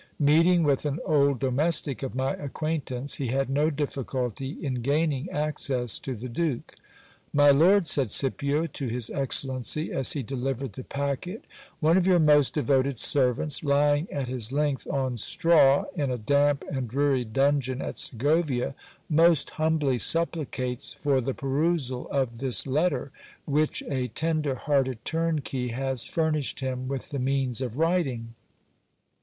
Meeting with an old domestic of my acquaint ance, he had no difficulty in gaining access to the duke. My lord, said Scipio to his excellency, as he delivered the packet, one of your most devoted servants, lying at his length on straw, in a damp and dreary dungeon at Segovia, most humbly supplicates for the perusal of this letter, which a tender hearted turnkey has furnished him with the means of writing.